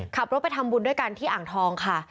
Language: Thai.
ขับรถไปทำบุญด้วยกันที่อ่างทองค่ะ